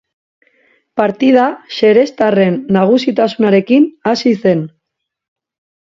Partida xereztarren nagusitasunarekin hasi zen.